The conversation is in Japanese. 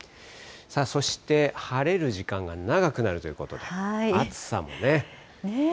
そして、晴れる時間が長くなるということで、暑さもね。